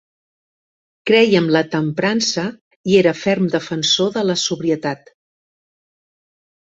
Creia en la temprança i era ferm defensor de la sobrietat.